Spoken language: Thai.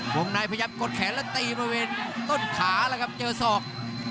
บ่งนายพยับกดแขนแล้วตีมาเว้นต้นขาแล้วครับเจอสอก